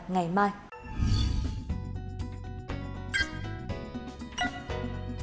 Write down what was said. ngày mai à